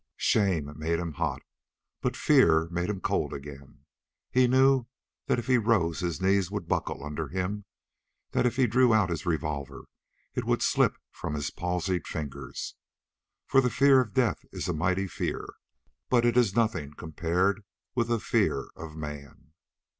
Shame made him hot, but fear made him cold again. He knew that if he rose his knees would buckle under him; that if he drew out his revolver it would slip from his palsied fingers. For the fear of death is a mighty fear, but it is nothing compared with the fear of man.